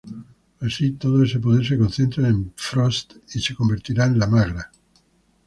Así, todo ese poder se concentrara en Frost, y se convertirá en La Magra.